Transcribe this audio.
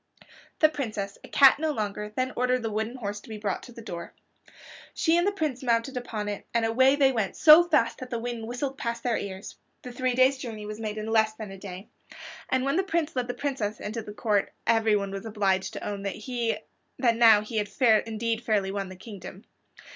The Princess, a cat no longer, then ordered the wooden horse to be brought to the door. She and the Prince mounted upon it, and away they went, so fast that the wind whistled past their ears. The three day's journey was made in less than a day, and when the Prince led the Princess into court, everyone was obliged to own that now he had indeed fairly won the kingdom.